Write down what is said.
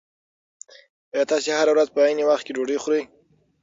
ایا تاسي هره ورځ په عین وخت کې ډوډۍ خورئ؟